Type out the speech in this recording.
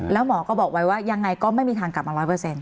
แล้วหมอก็บอกไว้ว่ายังไงก็ไม่มีทางกลับมา๑๐๐